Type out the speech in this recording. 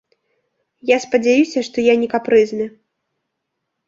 Я спадзяюся, што я не капрызны.